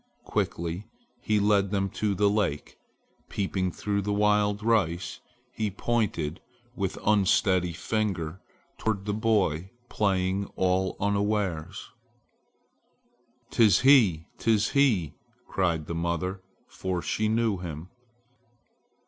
Quickly he led them to the lake. Peeping through the wild rice, he pointed with unsteady finger toward the boy playing all unawares. "'Tis he! 'tis he!" cried the mother, for she knew him.